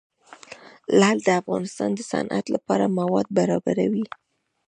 لعل د افغانستان د صنعت لپاره مواد برابروي.